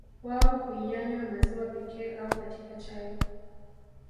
Wao huyanywa maziwa pekee au katika chai